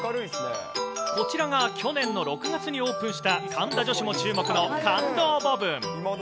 こちらが去年の６月にオープンした神田女子も注目の感動ボブン。